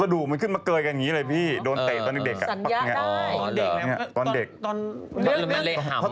กระดูกมันขึ้นมาเกินอย่างงี้เลยพี่โดนเตะตอนเด็กสัญญาได้